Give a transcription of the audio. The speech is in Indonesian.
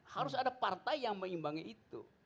harus ada partai yang mengimbangi itu